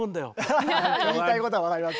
ハハハ言いたいことは分かりますよ。